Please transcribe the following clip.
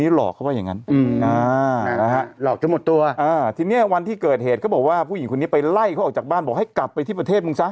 หลอกเขาว่าอย่างนั้นหลอกจนหมดตัวทีนี้วันที่เกิดเหตุเขาบอกว่าผู้หญิงคนนี้ไปไล่เขาออกจากบ้านบอกให้กลับไปที่ประเทศมึงซะ